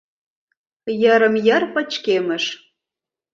Йырым-йыр пычкемыш.